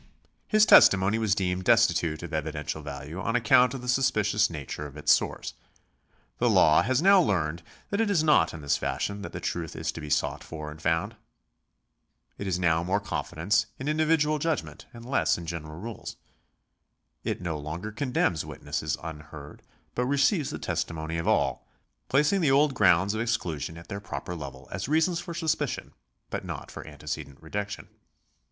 His testimony was deemed destitute of evidential value on account of the suspicious nature of its source. The law has now learned that it is not in this fashion that the truth is to be sought for and found. It has now more confidence in individual judgment and less in general rules. It no longer condemns witnesses unheard, but receives the testimony of all, placing the old grounds of exclusion at their proper level as reasons for suspicion but not for antecedent rejection.